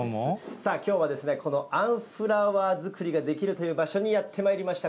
さあ、きょうはこのあんフラワー作りができるという場所にやってまいりました。